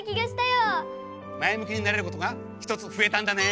まえむきになれることがひとつふえたんだね。